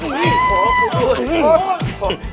จิล